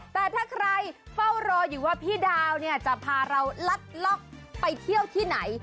แต่ถ้าใครเฝ้ารออยู่ว่าพี่ดาวเนี่ยจะพาเราลัดล็อกไปเที่ยวที่ไหน